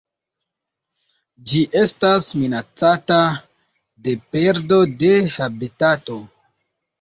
Ĝi estas minacata de perdo de habitato.